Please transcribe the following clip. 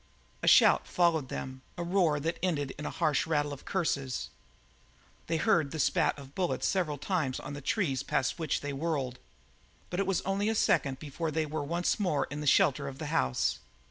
A shout followed them, a roar that ended in a harsh rattle of curses; they heard the spat of bullets several times on the trees past which they whirled. But it was only a second before they were once more in the shelter of the house.